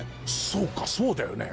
そうかそうだよね。